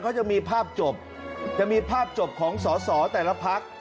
เขาจะมีภาพจบจะมีภาพจบของสอสอแต่ละพัก